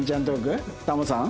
タモさん。